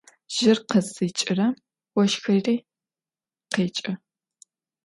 Jır khızdiç'ırem voşxri khêç'ı.